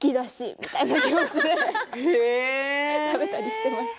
みたいな気持ちで食べたりしていました。